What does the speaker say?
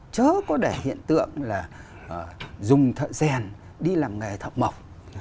chớ có để hiện tượng là dùng thời gian đi làm nghề thợ mộc